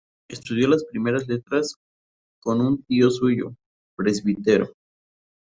Estudió las primeras letras con un tío suyo, presbítero.